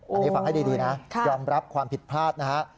อันนี้ฟังให้ดีนะยอมรับความผิดพลาดนะฮะ